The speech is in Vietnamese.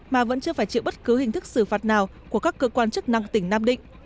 mà vẫn chưa phải chịu bất cứ hình thức xử phạt nào của các cơ quan chức năng tỉnh nam định